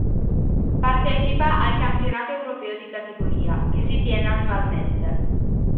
Partecipa al Campionato europeo di categoria, che si tiene annualmente.